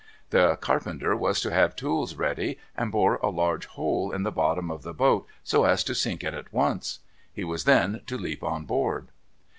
The carpenter was to have tools ready and bore a large hole in the bottom of the boat, so as to sink it at once. He was then to leap on board.